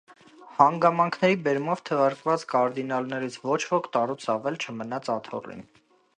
Հանգամանքների բերումով թվարկված կարդինալներից ոչ ոք տարուց ավել չմնացին աթոռին։